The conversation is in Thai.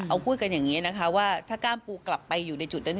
เอาพูดกันอย่างนี้นะคะว่าถ้ากล้ามปูกลับไปอยู่ในจุดนั้น